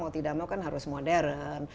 mau tidak mau kan harus modern